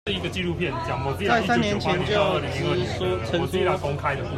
在三年前就職時曾說